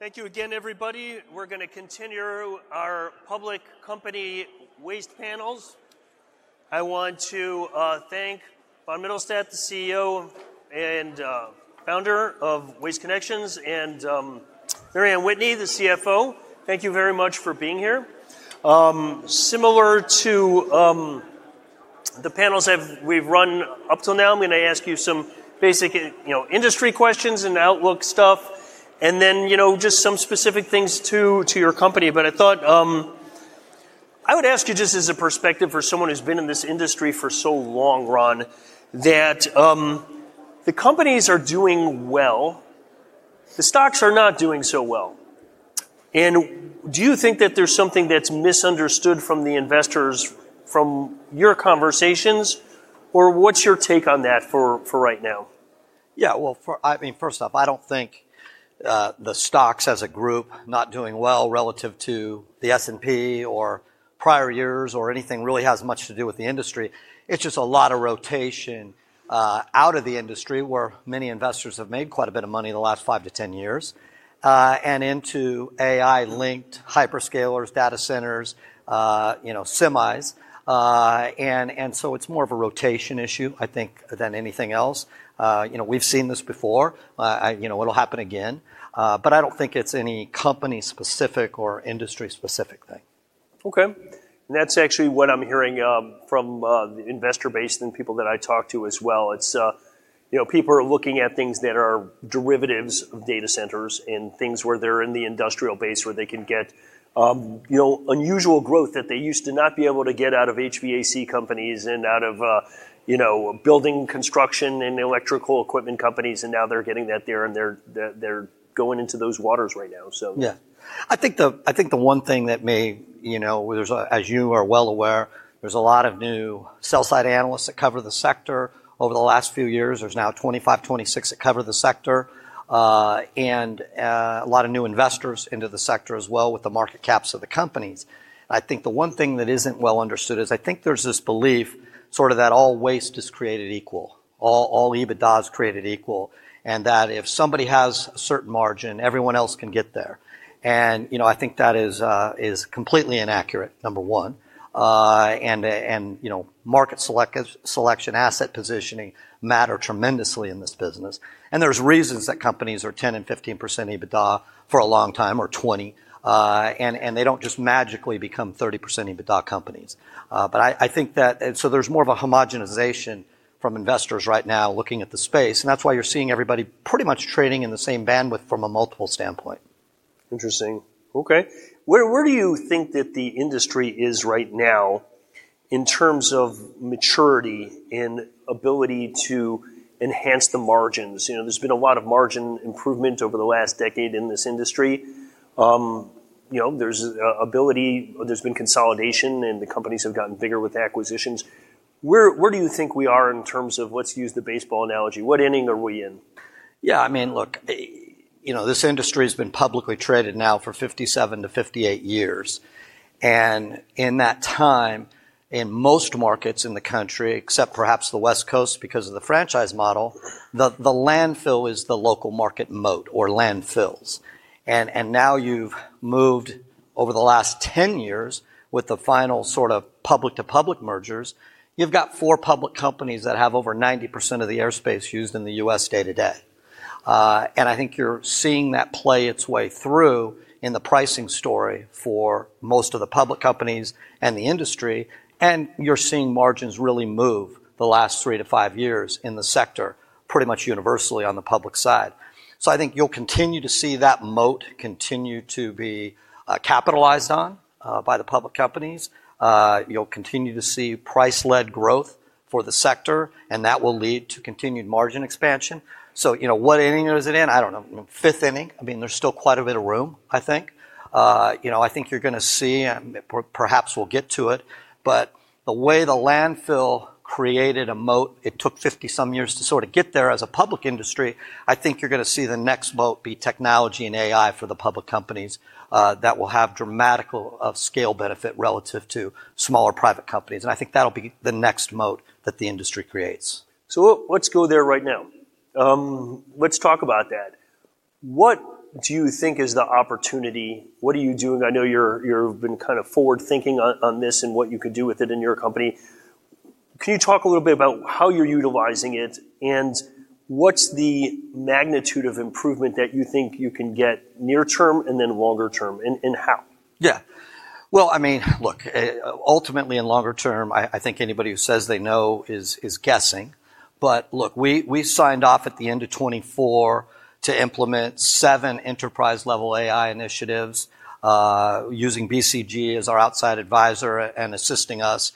Thank you again, everybody. We're going to continue our public company waste panels. I want to thank Ron Mittelstaedt, the CEO and founder of Waste Connections, and Mary Anne Whitney, the CFO. Thank you very much for being here. Similar to the panels we've run up till now, I'm going to ask you some basic industry questions and outlook stuff and then just some specific things, too, to your company. I thought I would ask you, just as a perspective for someone who's been in this industry for so long, Ron, that the companies are doing well, the stocks are not doing so well. Do you think that there's something that's misunderstood from the investors from your conversations, or what's your take on that for right now? Well, first off, I don't think the stocks as a group not doing well relative to the S&P or prior years or anything really has much to do with the industry. It's just a lot of rotation out of the industry, where many investors have made quite a bit of money in the last 5-10 years, and into AI-linked hyperscalers, data centers, semis. It's more of a rotation issue, I think, than anything else. We've seen this before. It'll happen again. I don't think it's any company-specific or industry-specific thing. Okay. That's actually what I'm hearing from the investor base and people that I talk to as well. People are looking at things that are derivatives of data centers and things where they're in the industrial base, where they can get unusual growth that they used to not be able to get out of HVAC companies and out of building construction and electrical equipment companies, and now they're getting that there, and they're going into those waters right now. I think the one thing that may, as you are well aware, there's a lot of new sell side analysts that cover the sector over the last few years. There's now 25, 26 that cover the sector, and a lot of new investors into the sector as well with the market caps of the companies. I think the one thing that isn't well understood is I think there's this belief sort of that all waste is created equal, all EBITDA is created equal, and that if somebody has a certain margin, everyone else can get there. I think that is completely inaccurate, number one, and market selection, asset positioning matter tremendously in this business. There's reasons that companies are 10% and 15% EBITDA for a long time, or 20%, and they don't just magically become 30% EBITDA companies. There's more of a homogenization from investors right now looking at the space, and that's why you're seeing everybody pretty much trading in the same bandwidth from a multiple standpoint. Interesting. Okay. Where do you think that the industry is right now in terms of maturity and ability to enhance the margins? There's been a lot of margin improvement over the last decade in this industry. There's been consolidation, and the companies have gotten bigger with acquisitions. Where do you think we are in terms of, let's use the baseball analogy, what inning are we in? Look, this industry has been publicly traded now for 57-58 years, and in that time, in most markets in the country, except perhaps the West Coast because of the franchise model, the landfill is the local market moat, or landfills. Now you've moved over the last 10 years with the final public-to-public mergers. You've got four public companies that have over 90% of the airspace used in the U.S. day-to-day. I think you're seeing that play its way through in the pricing story for most of the public companies and the industry, and you're seeing margins really move the last three to five years in the sector, pretty much universally on the public side. I think you'll continue to see that moat continue to be capitalized on by the public companies. You'll continue to see price-led growth for the sector, and that will lead to continued margin expansion. What inning is it in? I don't know. Fifth inning. There's still quite a bit of room, I think. I think you're going to see, and perhaps we'll get to it, but the way the landfill created a moat, it took 50-some years to sort of get there as a public industry. I think you're going to see the next moat be technology and AI for the public companies that will have dramatic scale benefit relative to smaller private companies. I think that'll be the next moat that the industry creates. Let's go there right now. Let's talk about that. What do you think is the opportunity? What are you doing? I know you've been kind of forward-thinking on this and what you could do with it in your company. Can you talk a little bit about how you're utilizing it, and what's the magnitude of improvement that you think you can get near term and then longer term, and how? Yeah. Well, look, ultimately, in longer term, I think anybody who says they know is guessing. Look, we signed off at the end of 2024 to implement seven enterprise-level AI initiatives, using BCG as our outside advisor and assisting us.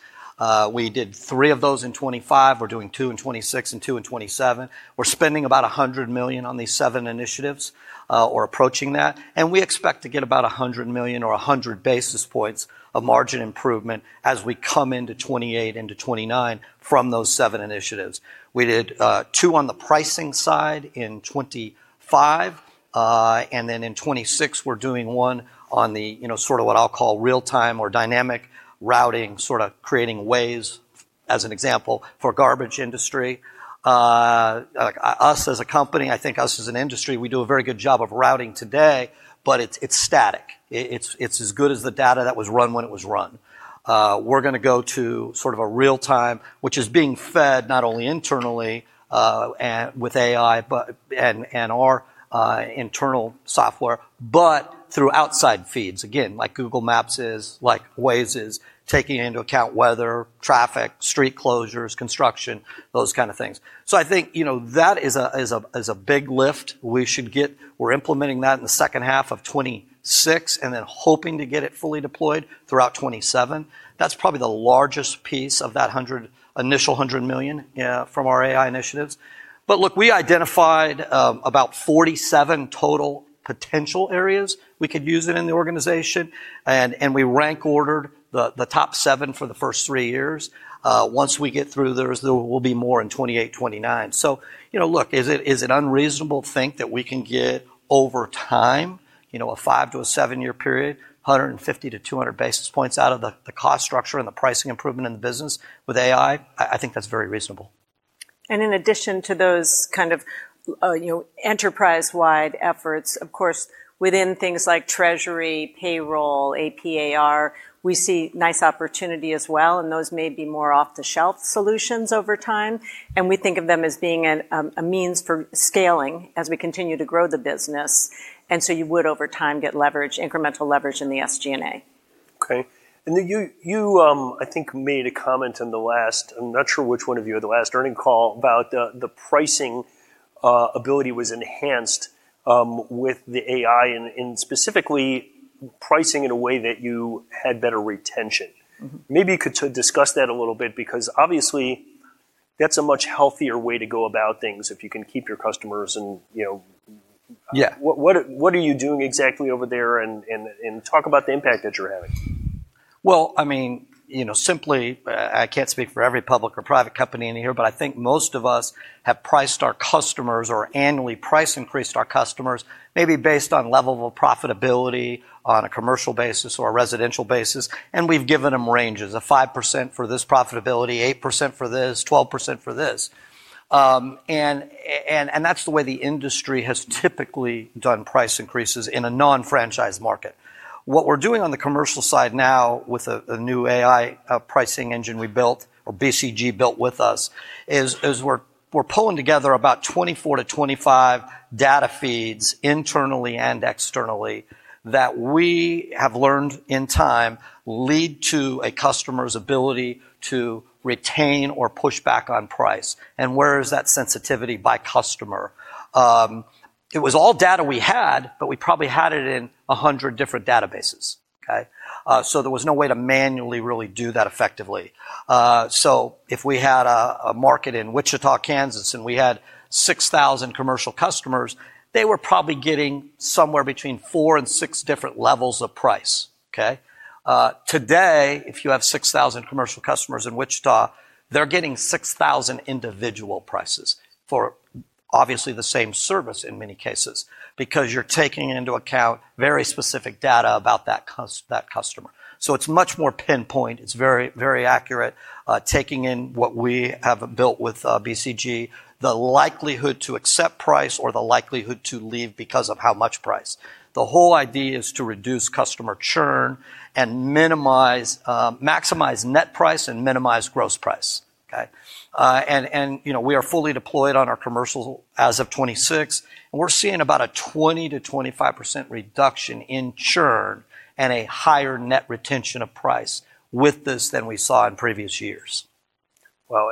We did three of those in 2025. We're doing two in 2026 and two in 2027. We're spending about $100 million on these seven initiatives, or approaching that, and we expect to get about $100 million or 100 basis points of margin improvement as we come into 2028, into 2029 from those seven initiatives. We did two on the pricing side in 2025. In 2026, we're doing one on the sort of what I'll call real-time or dynamic routing, sort of creating Waze. As an example, for garbage industry, us as a company, I think us as an industry, we do a very good job of routing today, but it's static. It's as good as the data that was run when it was run. We're going to go to sort of a real-time, which is being fed not only internally with AI and our internal software, but through outside feeds. Again, like Google Maps is, like Waze is, taking into account weather, traffic, street closures, construction, those kind of things. I think that is a big lift we should get. We're implementing that in the second half of 2026, hoping to get it fully deployed throughout 2027. That's probably the largest piece of that initial $100 million from our AI initiatives. Look, we identified about 47 total potential areas we could use it in the organization, and we rank ordered the top seven for the first three years. Once we get through those, there will be more in 2028, 2029. Look, is it unreasonable to think that we can get, over time, a five to a seven-year period, 150 basis points-200 basis points out of the cost structure and the pricing improvement in the business with AI? I think that's very reasonable. In addition to those kind of enterprise-wide efforts, of course, within things like treasury, payroll, AP/AR, we see nice opportunity as well, and those may be more off-the-shelf solutions over time. We think of them as being a means for scaling as we continue to grow the business, so you would, over time, get leverage, incremental leverage in the SG&A. Okay. You, I think, made a comment in the last, I'm not sure which one of you, the last earning call about the pricing ability was enhanced with the AI, and specifically pricing in a way that you had better retention. Maybe you could discuss that a little bit, because obviously that's a much healthier way to go about things, if you can keep your customers. Yeah What are you doing exactly over there, and talk about the impact that you're having? Well, simply, I can't speak for every public or private company in here, but I think most of us have priced our customers or annually price increased our customers maybe based on level of profitability on a commercial basis or a residential basis, and we've given them ranges of 5% for this profitability, 8% for this, 12% for this. That's the way the industry has typically done price increases in a non-franchise market. What we're doing on the commercial side now with a new AI pricing engine we built, or BCG built with us, is we're pulling together about 24 to 25 data feeds internally and externally that we have learned in time lead to a customer's ability to retain or push back on price, and where is that sensitivity by customer. It was all data we had, but we probably had it in 100 different databases. Okay? There was no way to manually really do that effectively. If we had a market in Wichita, Kansas, and we had 6,000 commercial customers, they were probably getting somewhere between four and six different levels of price. Okay? Today, if you have 6,000 commercial customers in Wichita, they're getting 6,000 individual prices for obviously the same service in many cases, because you're taking into account very specific data about that customer. It's much more pinpoint, it's very accurate, taking in what we have built with BCG, the likelihood to accept price or the likelihood to leave because of how much price. The whole idea is to reduce customer churn and maximize net price and minimize gross price. Okay? We are fully deployed on our commercials as of 2026, and we're seeing about a 20%-25% reduction in churn and a higher net retention of price with this than we saw in previous years. Wow.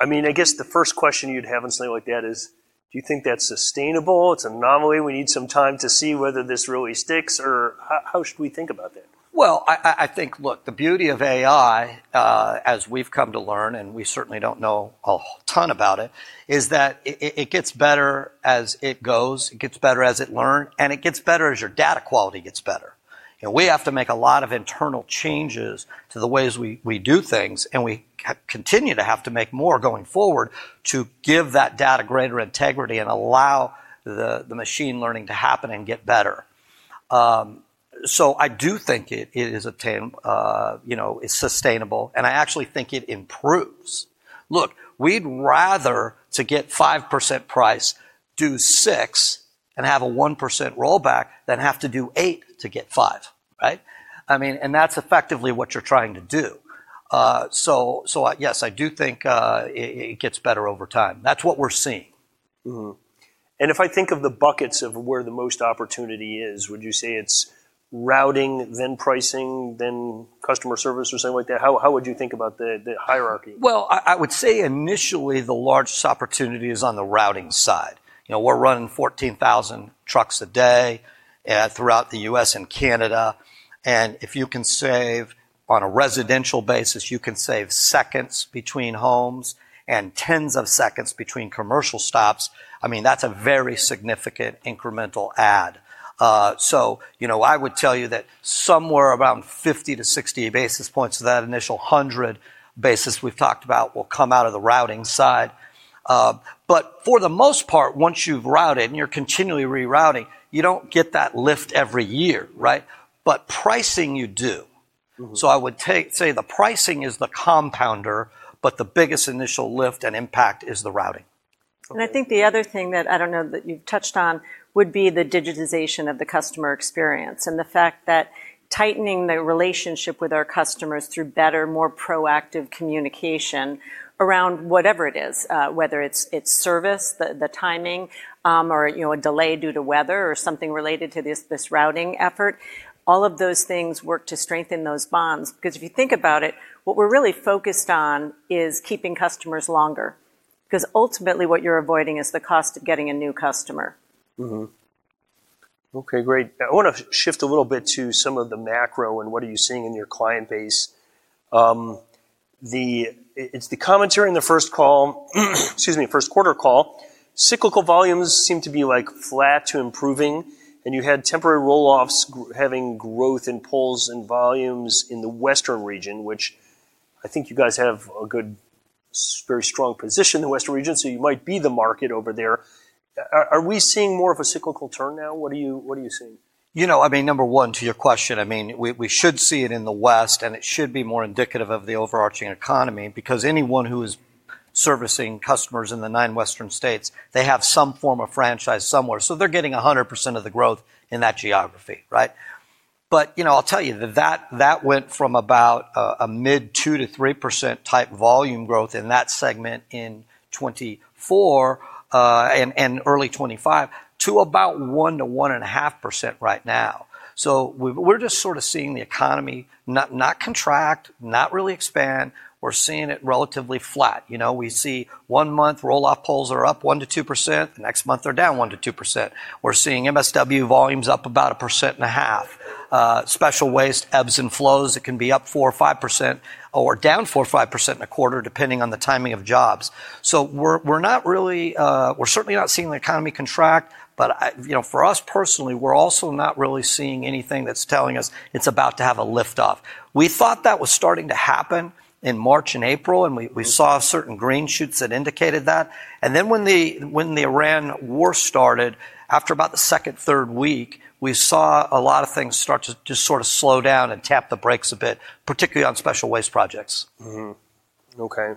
I guess the first question you'd have in something like that is, do you think that's sustainable? It's an anomaly, we need some time to see whether this really sticks, or how should we think about that? I think, look, the beauty of AI, as we've come to learn, and we certainly don't know a ton about it, is that it gets better as it goes, it gets better as it learns, and it gets better as your data quality gets better. We have to make a lot of internal changes to the ways we do things, and we continue to have to make more going forward to give that data greater integrity and allow the machine learning to happen and get better. I do think it's sustainable, and I actually think it improves. Look, we'd rather to get 5% price, do 6%, and have a 1% rollback than have to do 8% to get 5%. Right? That's effectively what you're trying to do. Yes, I do think it gets better over time. That's what we're seeing. Mm-hmm. If I think of the buckets of where the most opportunity is, would you say it's routing, then pricing, then customer service, or something like that? How would you think about the hierarchy? Well, I would say initially the largest opportunity is on the routing side. We're running 14,000 trucks a day throughout the U.S. and Canada, and if you can save on a residential basis, you can save seconds between homes and tens of seconds between commercial stops. That's a very significant incremental add. I would tell you that somewhere around 50 basis points-60 basis points of that initial 100 basis we've talked about will come out of the routing side. For the most part, once you've routed and you're continually rerouting, you don't get that lift every year, right? Pricing you do. I would say the pricing is the compounder, the biggest initial lift and impact is the routing. Okay. I think the other thing that, I don't know that you have touched on, would be the digitization of the customer experience, and the fact that tightening the relationship with our customers through better, more proactive communication around whatever it is, whether it is service, the timing, or a delay due to weather or something related to this routing effort. All of those things work to strengthen those bonds, because if you think about it, what we are really focused on is keeping customers longer. Because ultimately what you are avoiding is the cost of getting a new customer. Mm-hmm. Okay, great. I want to shift a little bit to some of the macro, what are you seeing in your client base. It is the commentary in the first quarter call, cyclical volumes seem to be flat to improving, and you had temporary roll-offs having growth in pulls and volumes in the Western Region, which I think you guys have a very strong position in the Western Region, so you might be the market over there. Are we seeing more of a cyclical turn now? What are you seeing? Number one, to your question, we should see it in the West, it should be more indicative of the overarching economy, because anyone who is servicing customers in the nine Western states, they have some form of franchise somewhere. They are getting 100% of the growth in that geography, right? I will tell you, that went from about a mid-2%-3% type volume growth in that segment in 2024 and early 2025 to about 1%-1.5% right now. We are just sort of seeing the economy not contract, not really expand. We are seeing it relatively flat. We see one month roll-off pulls are up 1%-2%. The next month they are down 1%-2%. We are seeing MSW volumes up about 1.5%. Special waste ebbs and flows. It can be up 4% or 5% or down 4% or 5% in a quarter, depending on the timing of jobs. We are certainly not seeing the economy contract, for us personally, we are also not really seeing anything that is telling us it is about to have a lift-off. We thought that was starting to happen in March and April, and we saw certain green shoots that indicated that. When the Iran war started, after about the second, third week, we saw a lot of things start to just sort of slow down and tap the brakes a bit, particularly on special waste projects. Mm-hmm. Okay.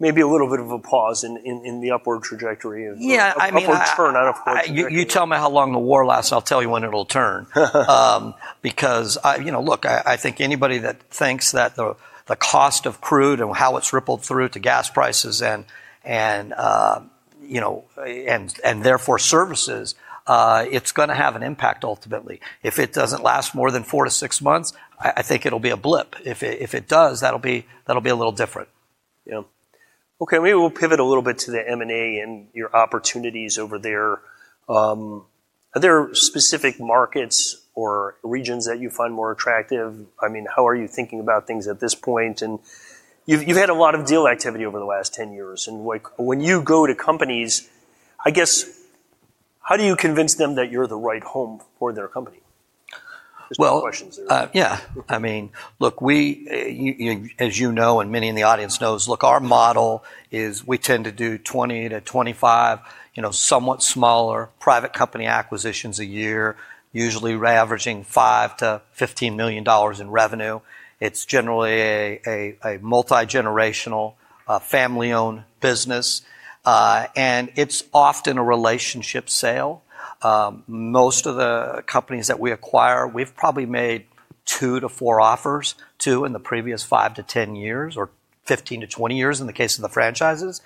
Maybe a little bit of a pause in the upward trajectory of- Yeah, I mean- Upward turn, not upward trajectory Look, you tell me how long the war lasts, I'll tell you when it'll turn. I think anybody that thinks that the cost of crude and how it's rippled through to gas prices and therefore services, it's going to have an impact ultimately. If it doesn't last more than four to six months, I think it'll be a blip. If it does, that'll be a little different. Yeah. Okay, maybe we'll pivot a little bit to the M&A and your opportunities over there. Are there specific markets or regions that you find more attractive? How are you thinking about things at this point? You've had a lot of deal activity over the last 10 years, and when you go to companies, I guess, how do you convince them that you're the right home for their company? Well- There's two questions there. Yeah. Look, as you know, and many in the audience knows, look, our model is we tend to do 20 to 25 somewhat smaller private company acquisitions a year, usually averaging $5 million-$15 million in revenue. It's generally a multi-generational, family-owned business. It's often a relationship sale. Most of the companies that we acquire, we've probably made two to four offers, two in the previous 5-10 years, or 15-20 years in the case of the franchises.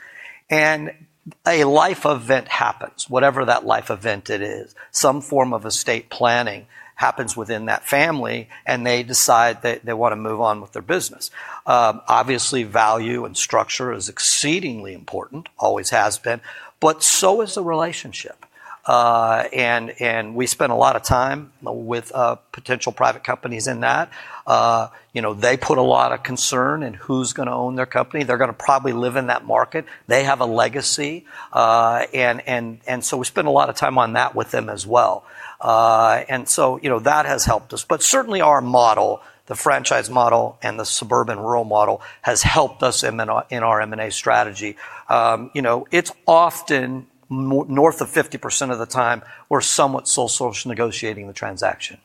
A life event happens, whatever that life event it is. Some form of estate planning happens within that family, and they decide that they want to move on with their business. Obviously, value and structure is exceedingly important, always has been, but so is the relationship. We spend a lot of time with potential private companies in that. They put a lot of concern in who's going to own their company. They're going to probably live in that market. They have a legacy. We spend a lot of time on that with them as well. That has helped us. Certainly, our model, the franchise model and the suburban rural model, has helped us in our M&A strategy. It's often north of 50% of the time, we're somewhat sole source negotiating the transaction.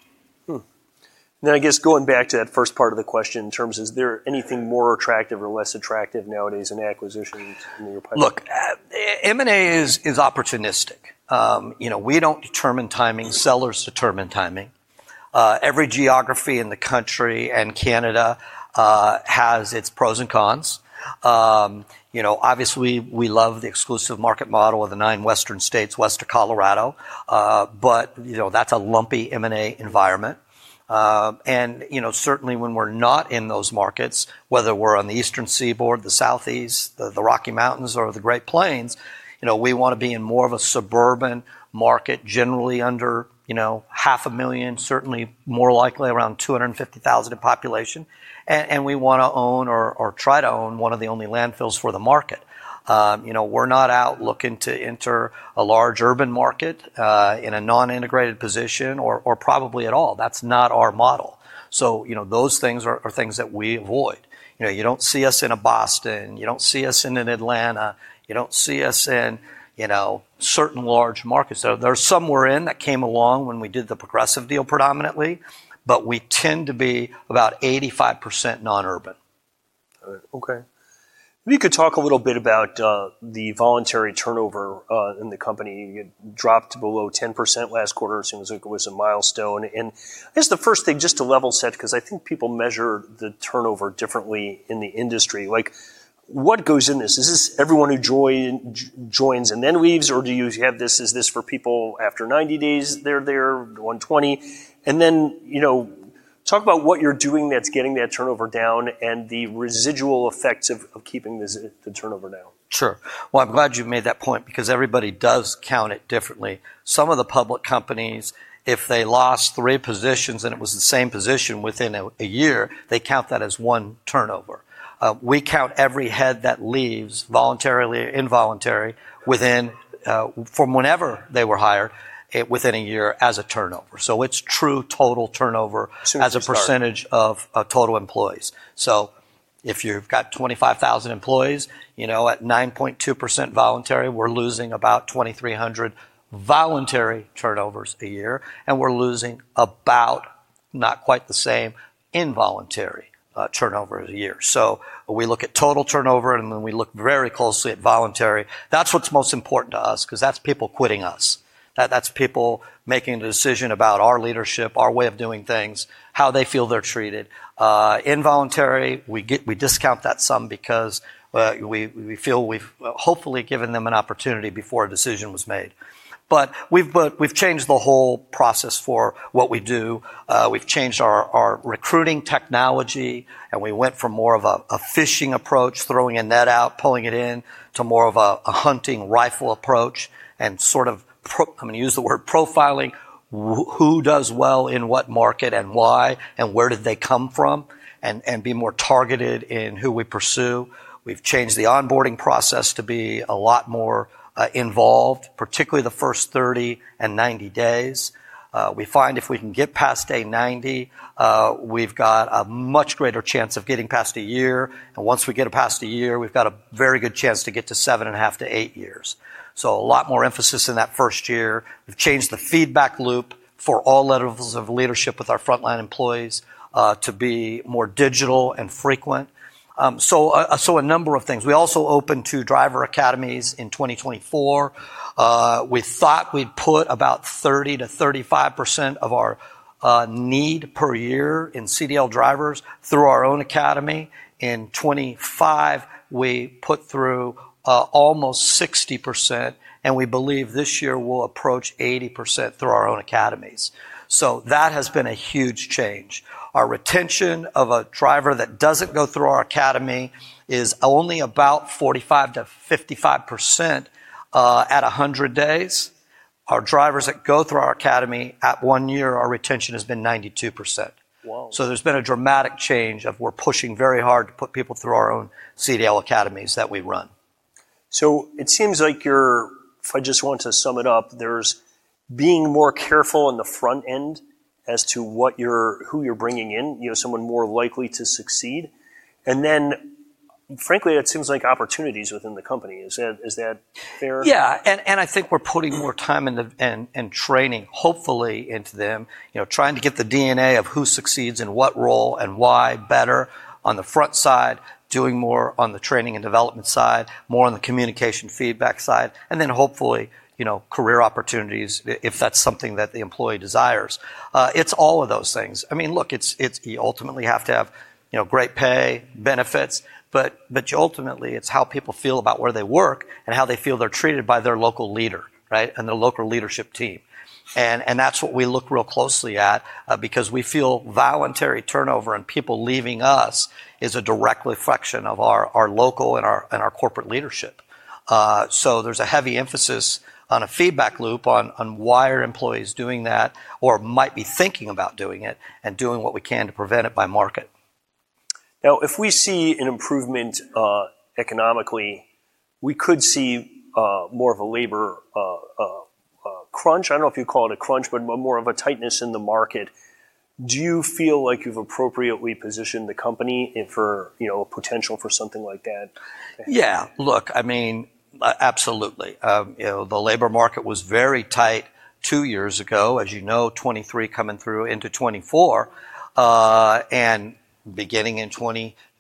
I guess going back to that first part of the question in terms of, is there anything more attractive or less attractive nowadays in acquisitions from your perspective? Look, M&A is opportunistic. We don't determine timing. Sellers determine timing. Every geography in the country and Canada has its pros and cons. Obviously, we love the exclusive market model of the nine western states west of Colorado. That's a lumpy M&A environment. Certainly, when we're not in those markets, whether we're on the eastern seaboard, the southeast, the Rocky Mountains, or the Great Plains, we want to be in more of a suburban market, generally under 500,000, certainly more likely around 250,000 in population. We want to own or try to own one of the only landfills for the market. We're not out looking to enter a large urban market in a non-integrated position or probably at all. That's not our model. Those things are things that we avoid. You don't see us in a Boston, you don't see us in an Atlanta, you don't see us in certain large markets. There's some we're in that came along when we did the Progressive deal predominantly, but we tend to be about 85% non-urban. Okay. If you could talk a little bit about the voluntary turnover in the company. It dropped below 10% last quarter. It seems like it was a milestone. I guess the first thing, just to level set, because I think people measure the turnover differently in the industry. What goes in this? Is this everyone who joins and then leaves, or do you have this as this for people after 90 days they're there, 120? Talk about what you're doing that's getting that turnover down and the residual effects of keeping the turnover down. Sure. Well, I'm glad you made that point, because everybody does count it differently. Some of the public companies, if they lost three positions and it was the same position within a year, they count that as one turnover. We count every head that leaves, voluntarily or involuntary, from whenever they were hired, within a year as a turnover. It's true total turnover- Soon as you start as a percentage of total employees. If you've got 25,000 employees, at 9.2% voluntary, we're losing about 2,300 voluntary turnovers a year, and we're losing about, not quite the same, involuntary turnover a year. We look at total turnover, and then we look very closely at voluntary. That's what's most important to us, because that's people quitting us. That's people making a decision about our leadership, our way of doing things, how they feel they're treated. Involuntary, we discount that some because we feel we've hopefully given them an opportunity before a decision was made. We've changed the whole process for what we do. We've changed our recruiting technology. We went from more of a fishing approach, throwing a net out, pulling it in, to more of a hunting rifle approach and sort of, I'm going to use the word profiling, who does well in what market and why, and where did they come from, and be more targeted in who we pursue. We've changed the onboarding process to be a lot more involved, particularly the first 30 and 90 days. We find if we can get past day 90, we've got a much greater chance of getting past a year. Once we get past a year, we've got a very good chance to get to seven and a half to eight years. A lot more emphasis in that first year. We've changed the feedback loop for all levels of leadership with our frontline employees, to be more digital and frequent. A number of things. We also opened two driver academies in 2024. We thought we'd put about 30%-35% of our need per year in CDL drivers through our own academy. In 2025, we put through almost 60%, and we believe this year we'll approach 80% through our own academies. That has been a huge change. Our retention of a driver that doesn't go through our academy is only about 45%-55% at 100 days. Our drivers that go through our academy, at one year, our retention has been 92%. Whoa. There's been a dramatic change of we're pushing very hard to put people through our own CDL academies that we run. It seems like you're, if I just want to sum it up, there's being more careful in the front end as to who you're bringing in, someone more likely to succeed. Frankly, it seems like opportunities within the company. Is that fair? I think we're putting more time and training, hopefully, into them. Trying to get the DNA of who succeeds in what role and why better on the front side, doing more on the training and development side, more on the communication feedback side, and then hopefully, career opportunities if that's something that the employee desires. It's all of those things. Look, you ultimately have to have great pay, benefits, but ultimately, it's how people feel about where they work and how they feel they're treated by their local leader, and their local leadership team. That's what we look real closely at, because we feel voluntary turnover and people leaving us is a direct reflection of our local and our corporate leadership. There's a heavy emphasis on a feedback loop on why are employees doing that or might be thinking about doing it, and doing what we can to prevent it by market. If we see an improvement economically, we could see more of a labor crunch. I don't know if you'd call it a crunch, but more of a tightness in the market. Do you feel like you've appropriately positioned the company for a potential for something like that to happen? Yeah. Look, absolutely. The labor market was very tight two years ago, as you know, 2023 coming through into 2024. Beginning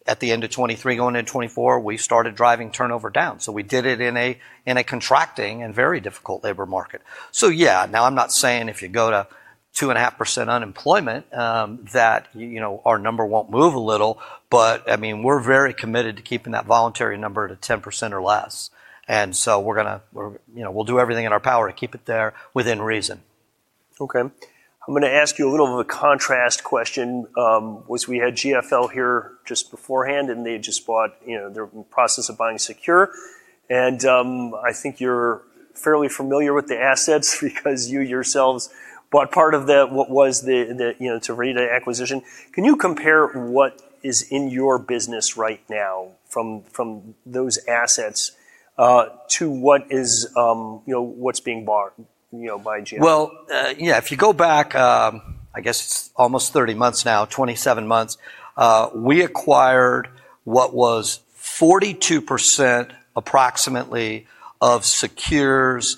at the end of 2023 going into 2024, we started driving turnover down. We did it in a contracting and very difficult labor market. Yeah. I'm not saying if you go to 2.5% unemployment, that our number won't move a little, but we're very committed to keeping that voluntary number to 10% or less. We'll do everything in our power to keep it there within reason. I'm going to ask you a little of a contrast question. We had GFL here just beforehand, and they're in the process of buying Secure. I think you're fairly familiar with the assets because you yourselves bought part of what was Tervita acquisition. Can you compare what is in your business right now from those assets, to what's being bought by Jim? Well, if you go back, I guess it's almost 30 months now, 27 months. We acquired what was 42%, approximately, of Secure's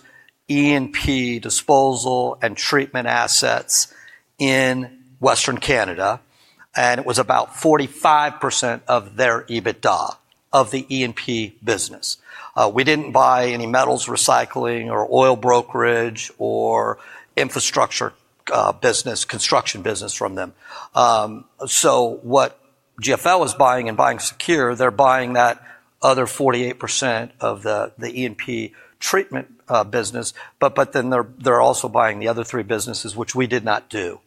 E&P disposal and treatment assets in Western Canada, and it was about 45% of their EBITDA of the E&P business. We didn't buy any metals recycling or oil brokerage or infrastructure business, construction business from them. What GFL is buying and buying Secure, they're buying that other 48% of the E&P treatment business. They're also buying the other three businesses, which we did not do.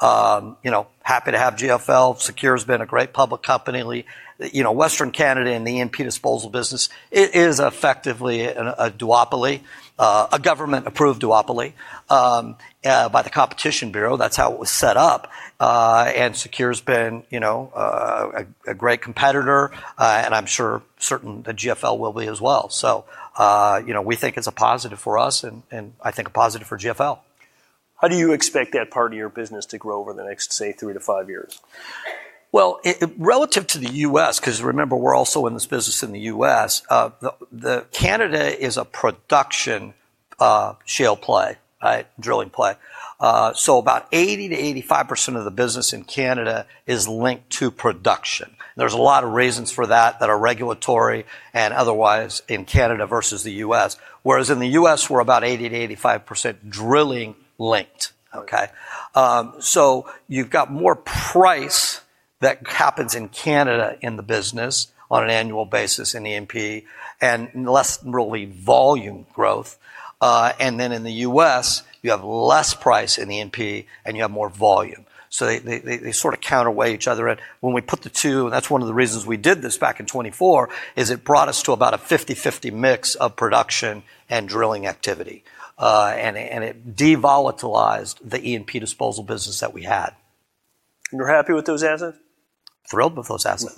Happy to have GFL. Secure's been a great public company. Western Canada and the E&P disposal business, it is effectively a duopoly, a government-approved duopoly, by the Competition Bureau. That's how it was set up. Secure's been a great competitor, and I'm certain that GFL will be as well. We think it's a positive for us and I think a positive for GFL. How do you expect that part of your business to grow over the next, say, three to five years? Well, relative to the U.S., because remember, we're also in this business in the U.S., Canada is a production shale play, drilling play. About 80%-85% of the business in Canada is linked to production. There's a lot of reasons for that are regulatory and otherwise in Canada versus the U.S. Whereas in the U.S., we're about 80%-85% drilling linked. Okay. You've got more price that happens in Canada in the business on an annual basis in E&P and less really volume growth. In the U.S., you have less price in E&P and you have more volume. They sort of counterweigh each other. When we put the two, and that's one of the reasons we did this back in 2024, it brought us to about a 50/50 mix of production and drilling activity. It devolatilized the E&P disposal business that we had. You're happy with those assets? Thrilled with those assets.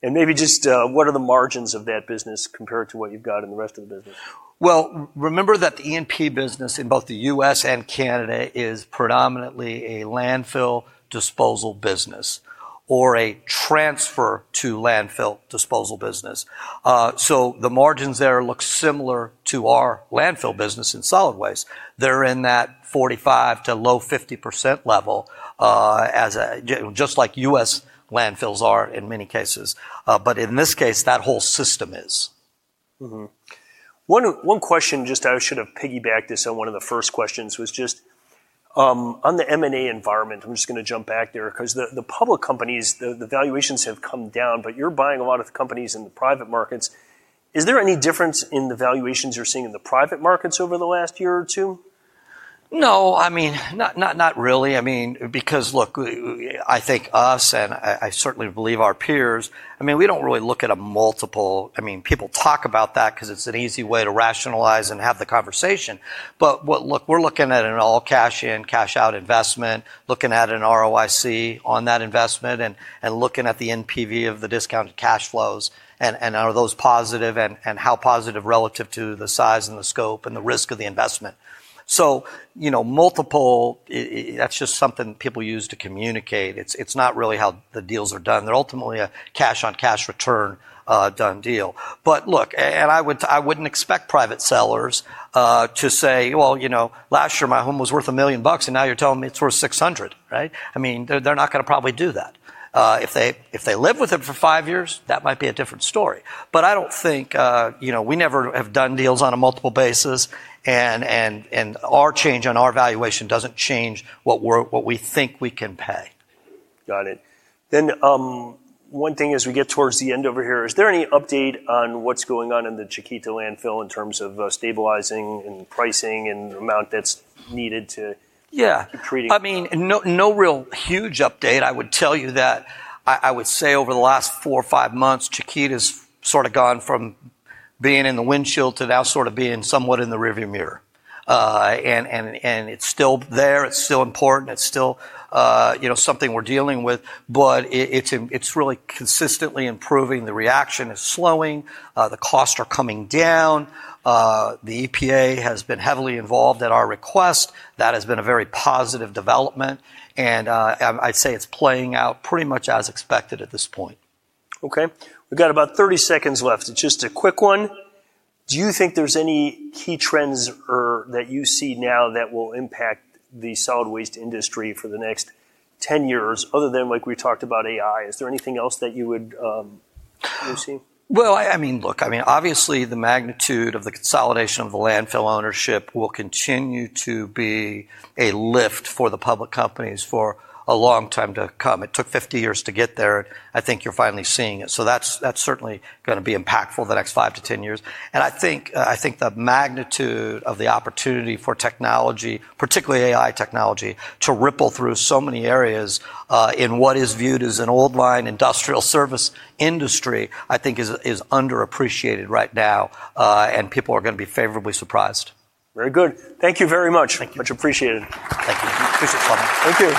What are the margins of that business compared to what you've got in the rest of the business? Well, remember that the E&P business in both the U.S. and Canada is predominantly a landfill disposal business or a transfer to landfill disposal business. The margins there look similar to our landfill business in solid waste. They're in that 45% to low 50% level, just like U.S. landfills are in many cases. In this case, that whole system is. One question, just I should have piggybacked this on one of the first questions, was just on the M&A environment, I'm just going to jump back there, because the public companies, the valuations have come down, but you're buying a lot of companies in the private markets. Is there any difference in the valuations you're seeing in the private markets over the last year or two? No, not really, because look, I think us, and I certainly believe our peers, we don't really look at a multiple. People talk about that because it's an easy way to rationalize and have the conversation. Look, we're looking at an all cash in, cash out investment, looking at an ROIC on that investment and looking at the NPV of the discounted cash flows, and are those positive and how positive relative to the size and the scope and the risk of the investment. Multiple, that's just something people use to communicate. It's not really how the deals are done. They're ultimately a cash-on-cash return done deal. Look, and I wouldn't expect private sellers to say, "Well, last year my home was worth $1 million, and now you're telling me it's worth $600." They're not going to probably do that. If they live with it for five years, that might be a different story. I don't think, we never have done deals on a multiple basis, and our change on our valuation doesn't change what we think we can pay. Got it. One thing as we get towards the end over here, is there any update on what's going on in the Chiquita Landfill in terms of stabilizing and pricing and the amount that's needed to- Yeah keep creating- No real huge update. I would tell you that, I would say over the last four or five months, Chiquita's sort of gone from being in the windshield to now sort of being somewhat in the rear view mirror. It's still there. It's still important. It's still something we're dealing with. It's really consistently improving. The reaction is slowing. The costs are coming down. The EPA has been heavily involved at our request. That has been a very positive development. I'd say it's playing out pretty much as expected at this point. Okay. We've got about 30 seconds left. It's just a quick one. Do you think there's any key trends that you see now that will impact the solid waste industry for the next 10 years, other than like we talked about AI? Is there anything else that you would foresee? Look, obviously the magnitude of the consolidation of the landfill ownership will continue to be a lift for the public companies for a long time to come. It took 50 years to get there. I think you're finally seeing it. That's certainly going to be impactful the next 5-10 years. I think the magnitude of the opportunity for technology, particularly AI technology, to ripple through so many areas, in what is viewed as an old line industrial service industry, I think is underappreciated right now. People are going to be favorably surprised. Very good. Thank you very much. Thank you. Much appreciated. Thank you. Appreciate the time. Thank you.